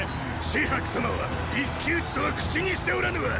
紫伯様は一騎討ちとは口にしておらぬわ！